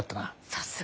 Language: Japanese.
さすが。